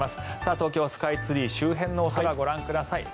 東京スカイツリー周辺のお空ご覧ください。